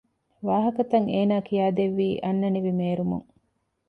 ވާހަކަތައް އޭނާ ކިޔައިދެއްވީ އަންނަނިވި މޭރުމުން